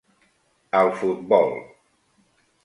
al futbol.